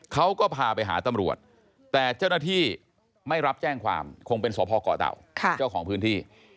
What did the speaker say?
เขาก็พาไปหาตำรวจแต่เจ้าหน้าที่ไม่รับแจ้งความคงเป็นสพก่อเต่าเจ้าของพื้นที่